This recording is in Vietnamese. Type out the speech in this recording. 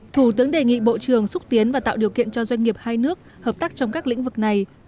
thủ tướng đề nghị bộ trưởng xúc tiến và tạo điều kiện cho doanh nghiệp hai nước hợp tác trong các lĩnh vực này